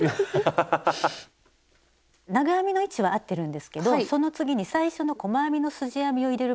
長編みの位置はあってるんですけどその次に最初の細編みのすじ編みを入れる場所がね